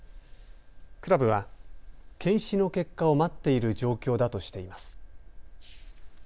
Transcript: クラブは検視の結果を待っている状況だとしています。